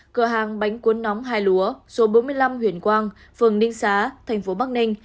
một mươi năm cơ hàng bánh cuốn nóng hai lúa số bốn mươi năm huyền quang phường ninh xá thành phố bắc ninh